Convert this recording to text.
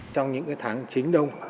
trong những tháng chín đông